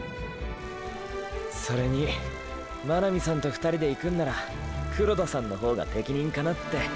それに真波さんと２人でいくんなら黒田さんの方が適任かなって。